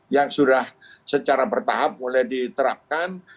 yang sudah secara bertahap mulai diterapkan